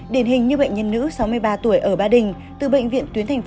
điển hình như bệnh nhân nữ sáu mươi ba tuổi ở ba đình